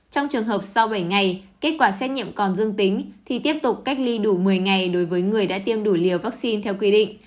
trong trường hợp sau bảy ngày kết quả xét nghiệm còn dương tính thì tiếp tục cách ly đủ một mươi ngày đối với người đã tiêm đủ liều vaccine theo quy định